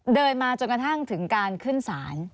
เดินมาจนกระทั่งถึงการขึ้นศาล